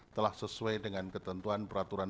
telah sesuai dengan ketentuan peraturan